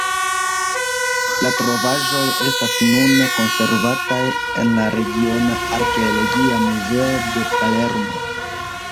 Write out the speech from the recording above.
La trovaĵoj estas nune konservataj en la Regiona Arkeologia Muzeo de Palermo.